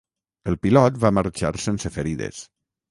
El pilot va marxar sense ferides.